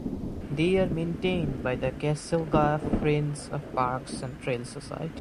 They are maintained by the Castlegar Friends of Parks and Trails Society.